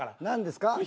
何ですか？